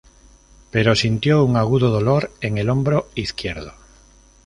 Pero sintió un agudo dolor en el hombro izquierdo.